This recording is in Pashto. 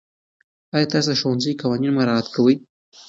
آیا تاسو د ښوونځي قوانین مراعات کوئ؟